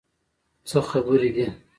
څه خبرې دي؟